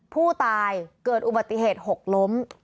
ผู้ตายเกิดอุบัติเหตุหกล้ม